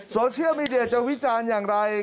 โซเชียลมีเดียจะวิจารณ์อย่างไร